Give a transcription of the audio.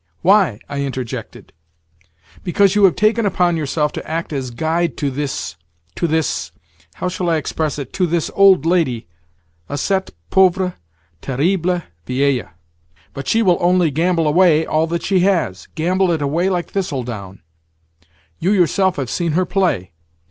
Why?" I interjected. "Because you have taken upon yourself to act as guide to this, to this—how shall I express it?—to this old lady, à cette pauvre terrible vieille. But she will only gamble away all that she has—gamble it away like thistledown. You yourself have seen her play.